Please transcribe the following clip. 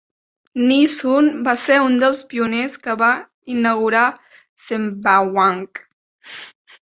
Nee Soon va ser un dels pioners que va inaugurar Sembawang.